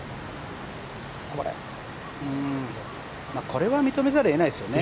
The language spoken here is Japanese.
これは認めざるを得ないですよね。